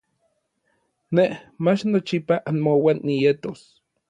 Nej, mach nochipa anmouan nietos.